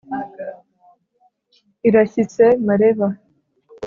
irashyitse mareba.